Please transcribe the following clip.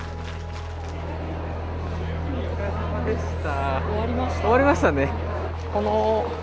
お疲れさまでした。